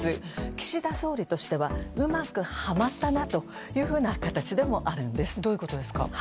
岸田総理としてはうまくはまったなというふうなどういうことですか？